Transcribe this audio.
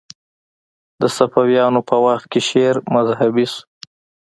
د صفویانو په وخت کې شعر مذهبي شو